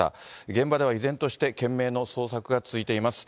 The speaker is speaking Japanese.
現場では依然として、懸命の捜索が続いています。